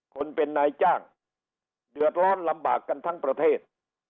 คนเป็นนายจ้างเดือดร้อนลำบากกันทั้งประเทศ